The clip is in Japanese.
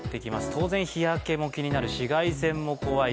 当然、日焼けも気になる、紫外線も怖い。